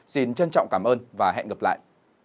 xin trân trọng cảm ơn và hẹn gặp lại